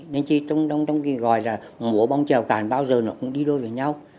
nên trong khi gọi là mùa bóng trèo cạn bao giờ nó cũng đi đôi với nhau